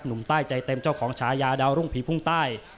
หนุ่มใต้ใจเต็มเจ้าของฉายาดาวรุ่งผีพุ่งใต้